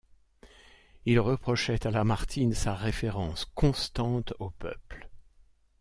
Il reprochait à Lamartine sa référence constante au peuple.